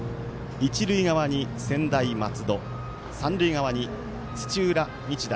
一塁側に専大松戸三塁側に土浦日大。